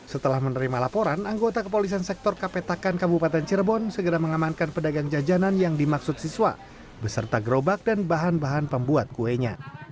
setelah menerima laporan anggota kepolisian sektor kapetakan kabupaten cirebon segera mengamankan pedagang jajanan yang dimaksud siswa beserta gerobak dan bahan bahan pembuat kuenya